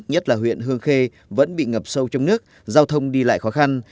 nhất là huyện hương khê vẫn bị ngập sâu trong nước giao thông đi lại khó khăn